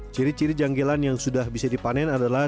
ciri ciri janggelan yang sudah bisa dipanen adalah